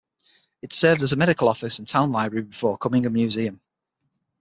It served as a medical office and town library before becoming a museum.